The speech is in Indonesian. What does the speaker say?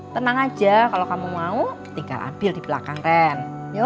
tenang aja kalau kamu mau tinggal ambil di belakang ren